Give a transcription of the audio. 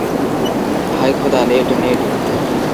হায় খোদা, নেড, নেড।